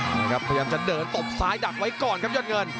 นี่ครับพยายามจะเดินตบซ้ายดักไว้ก่อนครับยอดเงิน